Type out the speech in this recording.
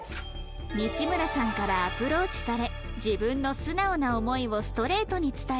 西村さんからアプローチされ自分の素直な思いをストレートに伝えた岡田さん